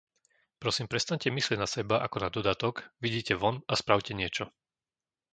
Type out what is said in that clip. Prosím, prestaňte myslieť na seba ako na dodatok, vyjdite von a spravte niečo!